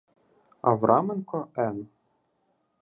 Авраменко Н.